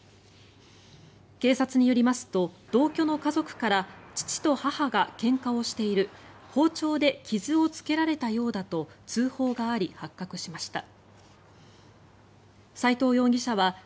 警察によりますと同居の家族から父と母がけんかをしている包丁で傷をつけられたようだと通報があり、発覚しました。